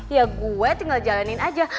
ya gue tinggal jalanin aja